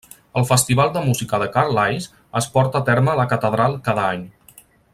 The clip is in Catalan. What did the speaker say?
El Festival de Música de Carlisle es porta a terme a la catedral cada any.